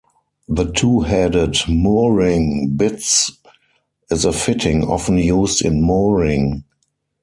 The two-headed mooring bitts is a fitting often-used in mooring.